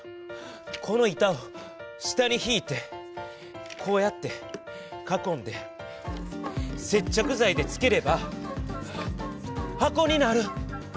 この板を下にひいてこうやって囲んで接着ざいでつければ箱になる！